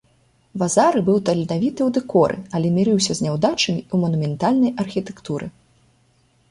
Вазары быў таленавіты ў дэкоры, але мірыўся з няўдачамі ў манументальнай архітэктуры.